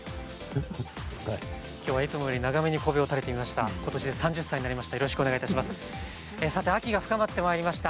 きょうは、いつもより長めにこうべを垂れてみました。